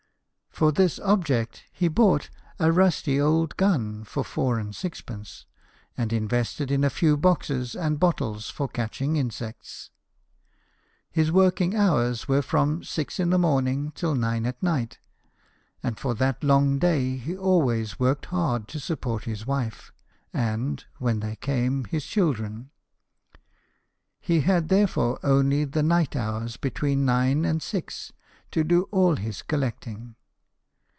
For this object, he bought a rusty old gun for four and sixpence, and invested in a few boxes and bottles for catching insects. His working hou's were from six in the morning till nine at night, and for that long day he always worked hard to support his wife, and (when they came) his children. He had therefore only the night hou s between nine and six to do all his col lecting.